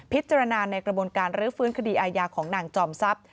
พิจารณาในกระบวนการรื้อฟื้นคดีอาญาของนางจอมทรัพย์